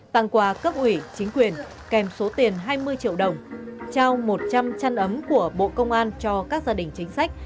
tặng quà cấp ủy chính quyền kèm số tiền hai mươi triệu đồng trao một trăm linh chăn ấm của bộ công an cho các gia đình chính sách